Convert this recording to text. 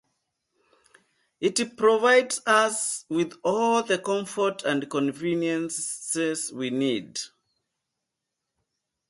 It provides us with all the comfort and conveniences we need.